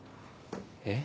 えっ？